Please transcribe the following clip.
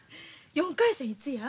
４回戦いつや？